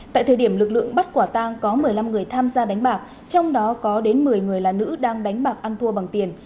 tại thời điểm lực lượng bắt quả tang có một mươi năm người tham gia đánh bạc trong đó có đến một mươi người là nữ đang đánh bạc ăn thua bằng tiền